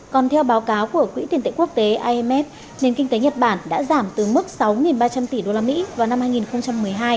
còn theo báo cáo của quỹ tiền tệ quốc tế imf nền kinh tế nhật bản đã giảm từ mức sáu ba trăm linh tỷ usd vào năm hai nghìn một mươi hai